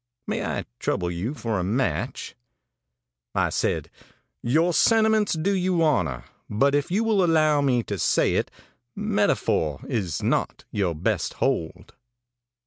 May I trouble you for a match?' ãI said: 'Your sentiments do you honor, but if you will allow me to say it, metaphor is not your best hold.